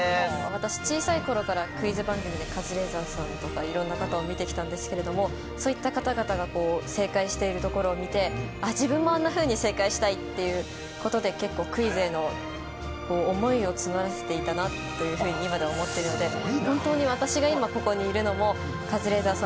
私小さい頃からクイズ番組でカズレーザーさんとかいろんな方を見てきたんですけれどもそういった方々が正解しているところを見てっていうことで結構クイズへの思いを募らせていたなというふうに今では思ってるので謙遜せえ！